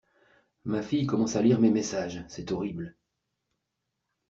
Ma fille commence à lire mes messages, c'est horrible.